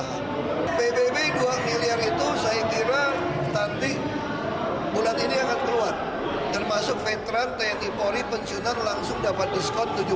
kita akan bebas